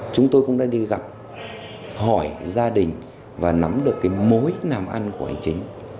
chúng tôi cũng đã đi gặp hỏi gia đình và nắm được cái mối nàm ăn của anh chính